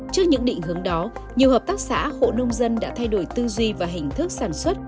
trước những định hướng đó nhiều hợp tác xã hộ nông dân đã thay đổi tư duy và hình thức sản xuất